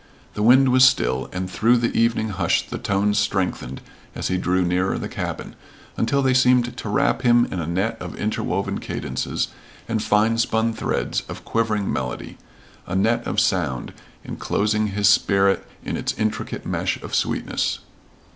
The wind was still, and through the evening hush the tones strengthened as he drew nearer the cabin, until they seemed to wrap him in a net of interwoven cadences and fine spun threads of quivering melody a net of sound, inclosing his spirit in its intricate mesh of sweetness.